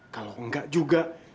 kalau enggak juga